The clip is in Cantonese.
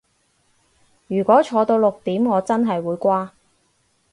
如果坐到六點我真係會瓜